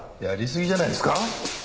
やりすぎじゃないですか？